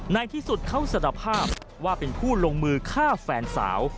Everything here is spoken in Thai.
ในที่สุดเขาสารภาพว่าเป็นผู้ลงมือฆ่าแฟนสาว